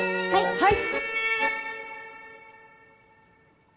はい！